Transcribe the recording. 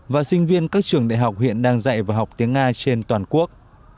và sinh viên các trường đại học hiện đang dạy và học tiếng nga trên toàn quốc